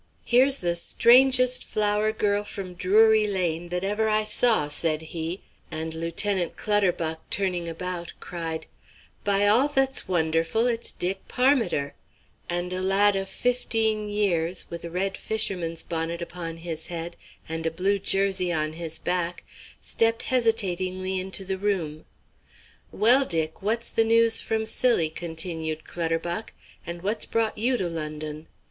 "Here's the strangest flower girl from Drury Lane that ever I saw," said he, and Lieutenant Clutterbuck turning about cried: "By all that's wonderful, it's Dick Parmiter," and a lad of fifteen years, with a red fisherman's bonnet upon his head and a blue jersey on his back, stepped hesitatingly into the room. "Well, Dick, what's the news from Scilly?" continued Clutterbuck. "And what's brought you to London?